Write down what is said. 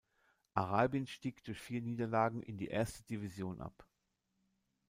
Arabien stieg durch vier Niederlagen in die erste Division ab.